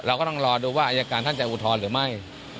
เราก็ต้องรอดูว่าอายการท่านจะอุทธรณ์หรือไม่